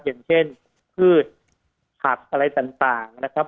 อย่างเช่นพืชผักอะไรต่างนะครับ